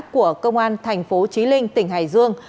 của công an thành phố trí linh tỉnh hải dương